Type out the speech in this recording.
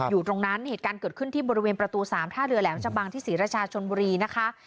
อยู่ตรงนั้นเหตุการณ์เกิดขึ้นที่บริเวณประตู๓ท่าเรือแหลมชะบังที่ศรีราชาชนบุรีนะคะ